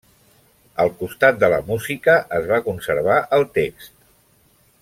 Al costat de la música es va conservar el text.